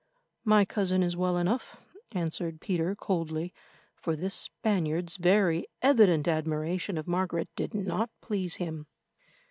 "My cousin is well enough," answered Peter coldly, for this Spaniard's very evident admiration of Margaret did not please him.